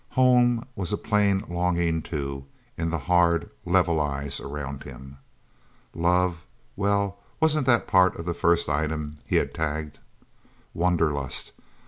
Home was a plain longing, too, in the hard, level eyes around him. Love. Well, wasn't that part of the first item he had tagged? Wanderlust.